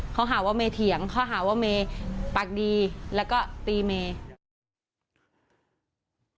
เขาหาว่าเมเถียงเขาหาว่าเมย์ปากดีแล้วก็ตีเมย์